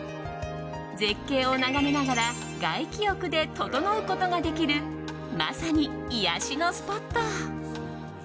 絶景を眺めながら外気浴でととのうことができるまさに癒やしのスポット。